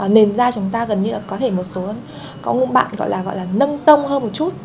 nền da chúng ta gần như có thể một số có những bạn gọi là gọi là nâng tông hơn một chút